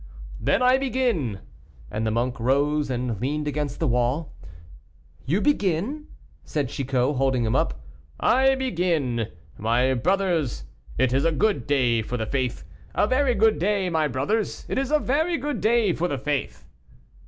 "Then I begin." And the monk rose, and leaned against the wall. "You begin," said Chicot, holding him up. "I begin, 'My brothers, it is a good day for the faith, a very good day, my brothers; it is a very good day for the faith.